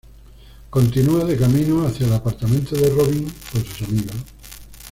Continúa de camino hacia el apartamento de Robin con sus amigos.